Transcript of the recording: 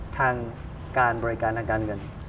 ทางการบริการทางการเงิน